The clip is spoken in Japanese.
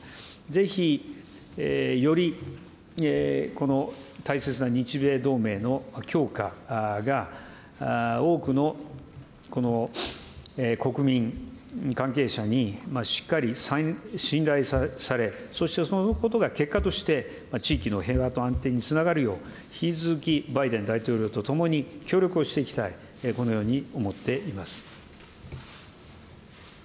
ぜひ、より大切な日米同盟の強化が、多くの国民、関係者にしっかり信頼され、そしてそのことが結果として、地域の平和と安定につながるよう、引き続きバイデン大統領と共に協力をしていきたい、このように思っています。